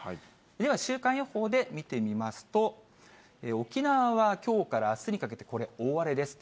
では週間予報で見てみますと、沖縄はきょうからあすにかけて、これ、大荒れです。